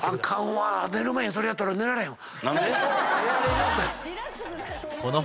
寝る前にやったら寝られへんわ。